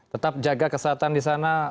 tetap jaga kesehatan di sana